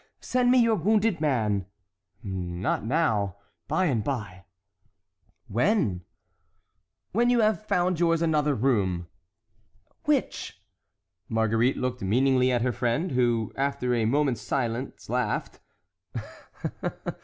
Send me your wounded man." "Not now—by and by." "When?" "When you have found yours another room." "Which?" Marguerite looked meaningly at her friend, who, after a moment's silence, laughed.